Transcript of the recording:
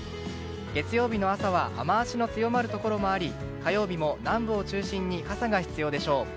月曜日の朝は雨脚の強まるところがあり火曜日も南部を中心に傘が必要でしょう。